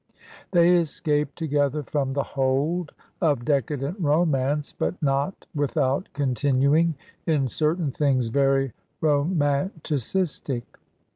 They escaped together from the hold of decadent romance, but not without continuing in certain things very romanticistic.